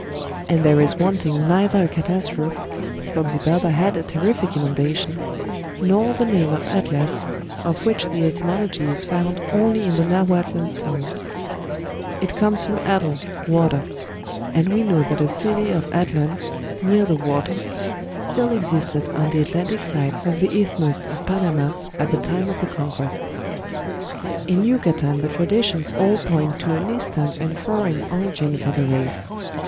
And there is wanting neither a catastrophe for Xibalba had a terrific inundation nor the name of Atlas, of which the etymology is found only in the Nahuatl tongue: it comes from atl, water; and we know that a city of Atlan (near the water) still existed on the Atlantic side of the Isthmus of Panama at the time of the Conquest." "In Yucatan the traditions all point to an Eastern and foreign origin for the race.